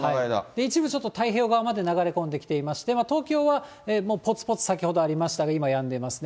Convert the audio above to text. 一部ちょっと太平洋側まで流れ込んでいまして、東京はぽつぽつ、先ほどありましたが、今やんでますね。